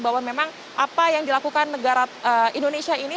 bahwa memang apa yang dilakukan negara indonesia ini